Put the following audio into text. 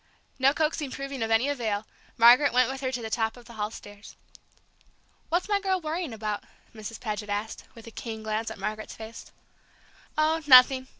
No coaxing proving of any avail, Margaret went with her to the top of the hall stairs. "What's my girl worrying about?" Mrs. Paget asked, with a keen glance at Margaret's face. "Oh, nothing!"